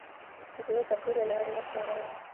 زه د تفریح له لارې وخت تېرووم.